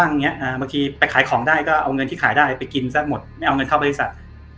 บางทีไปขายของได้ก็เอาเงินที่ขายได้ไปกินซะหมดไม่เอาเงินเข้าบริษัท